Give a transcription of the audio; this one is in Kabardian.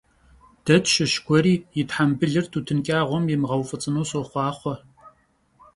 De tşış gueri yi thembılır tutın ç'ağuem yimığeuf'ıts'ınu soxhuaxhue!